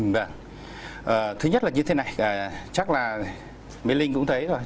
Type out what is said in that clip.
vâng ạ thứ nhất là như thế này chắc là mấy linh cũng thấy rồi